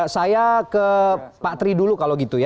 saya ke pak tri dulu kalau gitu ya